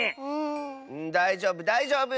だいじょうぶだいじょうぶ！